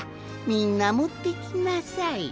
みんなもってきなさい。